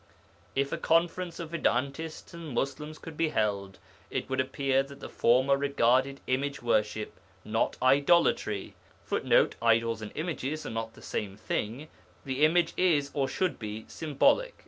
If a conference of Vedantists and Muslims could be held, it would appear that the former regarded image worship (not idolatry) [Footnote: Idols and images are not the same thing; the image is, or should be, symbolic.